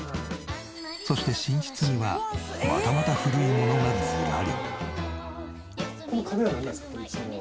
そして寝室にはまたまた古いものがずらり。